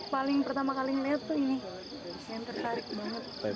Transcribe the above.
paling pertama kali melihat tuh ini